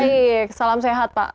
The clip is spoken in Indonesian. baik salam sehat pak